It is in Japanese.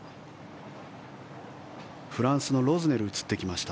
フランスのロズネル映ってきました。